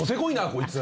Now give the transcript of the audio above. こいつ。